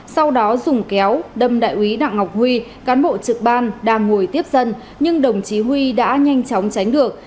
sau đó dùng kéo đâm đại úy đặng ngọc huy cán bộ trực ban đang ngồi tiếp dân nhưng đồng chí huy đã nhanh chóng tránh được